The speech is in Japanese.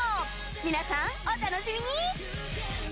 皆さん、お楽しみに。